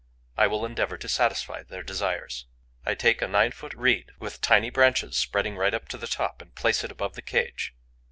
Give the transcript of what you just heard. I will endeavour to satisfy their desires. I take a nine foot reed, with tiny branches spreading right up to the top, and place it above the cage.